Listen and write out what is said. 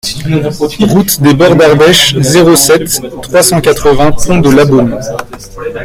Route des Bords d'Ardèche, zéro sept, trois cent quatre-vingts Pont-de-Labeaume